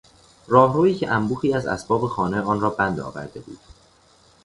راهرویی که انبوهی از اسباب خانه آن را بند آورده بود